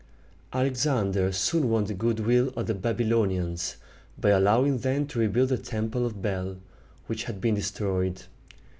Alexander soon won the good will of the Babylonians by allowing them to rebuild the Temple of Bel, which had been destroyed.